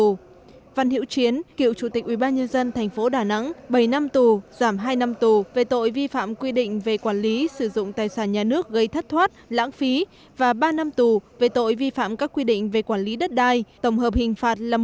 mức án cụ thể cho từng bị cáo trần văn minh và kháng cáo kêu oan của bị cáo phan văn minh cựu chủ tịch ubnd tp đà nẵng y án một mươi hai năm tù về tội vi phạm quy định về quản lý sử dụng tài sản nhà nước gây thất thoát lãng phí và y án năm năm tù về tội vi phạm các quy định về quản lý đất đai tổng hợp hình phạt là một mươi năm năm tù